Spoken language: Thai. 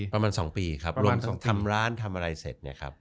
ประมาณ๒ปีครับรวมทำร้านทำอะไรเสร็จเนี่ยครับ